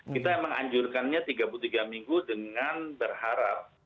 kita memang anjurkannya tiga puluh tiga minggu dengan berharap